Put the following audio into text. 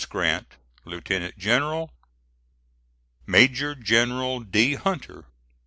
GRANT, Lieutenant General. "MAJOR GENERAL D. HUNTER."